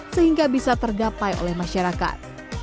sehingga bisa tergapai oleh masyarakat